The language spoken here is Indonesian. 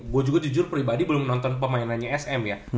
gue juga jujur pribadi belum nonton pemainannya sm ya